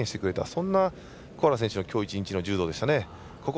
そんな小原選手のきょう１日の柔道でした。